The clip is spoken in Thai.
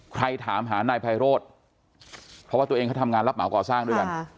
ถามหานายไพโรธเพราะว่าตัวเองเขาทำงานรับเหมาก่อสร้างด้วยกัน